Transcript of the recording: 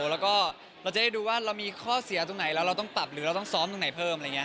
แล้วก็เราจะได้ดูว่าเรามีข้อเสียตรงไหนแล้วเราต้องปรับหรือเราต้องซ้อมตรงไหนเพิ่มอะไรอย่างนี้